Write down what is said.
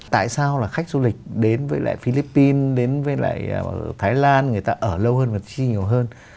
tại sao là khách du lịch đến với lại philippines đến với lại thái lan người ta ở lâu hơn và chi nhiều hơn